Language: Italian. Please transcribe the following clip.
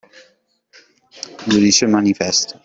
Lo dice il manifesto